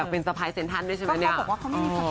แข็งเป็นเล็ก